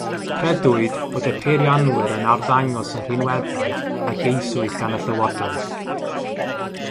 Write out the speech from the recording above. Credwyd bod y Peirianwyr yn arddangos y rhinweddau a geisiwyd gan y Llywodraeth.